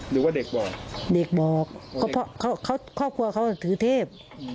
หรือว่าเด็กบอกเด็กบอกก็เพราะเขาครอบครัวเขาถือเทพ